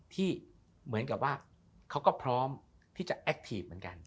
ที่เหมือนกับว่าเขาก็พร้อมที่จะแอคทีฟเหมือนกัน